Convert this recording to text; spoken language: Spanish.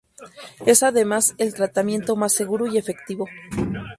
Es además el tratamiento más seguro y efectivo.